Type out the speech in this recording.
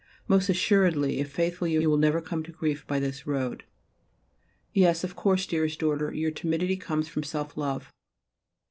Most assuredly, if faithful you will never come to grief by this road. Yes, of course, dearest daughter, your timidity comes from self love.